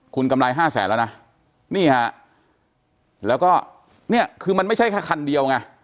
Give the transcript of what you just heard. คุณกำไรห้าแสนแล้วนะนี่ฮะแล้วก็เนี่ยคือมันไม่ใช่แค่คันเดียวไง